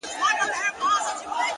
صبر د سترو خوبونو ساتونکی دی؛